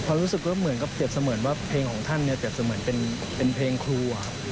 ถ้ารู้สึกไม่เหมือนเขาเล่นว่าเพลงแทนหรือเตรียมสมมุมเป็นเปลงครู